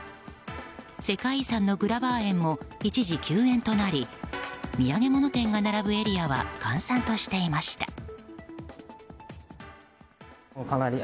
世界遺産のグラバー園も一時休園となり土産物店が並ぶエリアは閑散としていました。